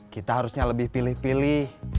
kita harusnya lebih pilih pilih